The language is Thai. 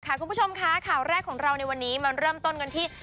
คุณผู้ชมคะข่าวแรกของเราในวันนี้มาเริ่มต้นกันที่